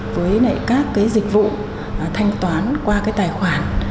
tiếp cận với các cái dịch vụ thanh toán qua cái tài khoản